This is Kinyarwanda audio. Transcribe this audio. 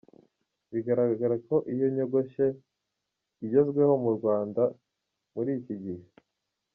Bigaragara ko iyo nyogoshe igezweho mu Rwanda muri iki gihe.